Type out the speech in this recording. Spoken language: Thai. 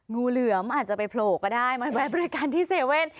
งูเหลือมอาจจะไปโผล่ก็ได้มาไว้บริการที่๗๑๑